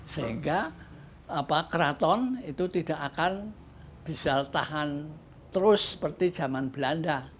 sehingga keraton itu tidak akan bisa tahan terus seperti zaman belanda